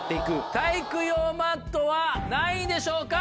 体育用マットは何位でしょうか？